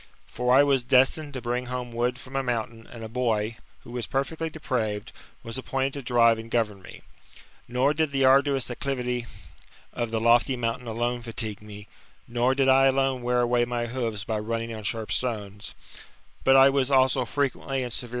For I was destined to bring home wood from a mountain, and a boy, who was perfectly depraved, was appointed to drive and govern me. Nor did the arduous acclivity of the lofty mountain alone fatigue me, nor did I alone wear away my hoofs by running on sharp stones, but I was also frequently and severely 3